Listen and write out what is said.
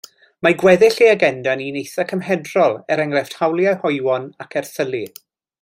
Mae gweddill ei agenda'n un eitha cymedrol er enghraifft hawliau hoywon ac erthylu.